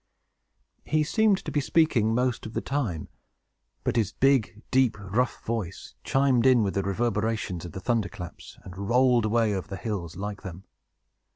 He seemed to be speaking, most of the time; but his big, deep, rough voice chimed in with the reverberations of the thunder claps, and rolled away over the hills, like them.